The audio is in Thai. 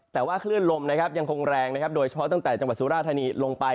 แต่ว่าคลื่นลมนะครับยังคงแรงนะครับโดยเฉพาะตั้งแต่จังหวัดสุราธานีลงไป